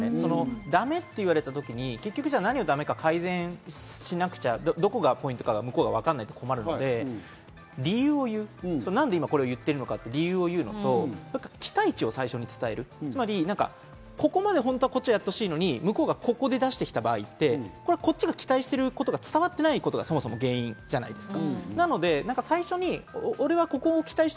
ダメって言われたときに、どこがポイントか相手が分からないと困るので、理由を言う、何でこれを今言っているのかという理由を言うのと、期待値を最初に伝える、ここまで本当はやってほしいのに、ここで出してきた場合、こっちが期待していることが伝わってないことがそもそも原因じゃないですか。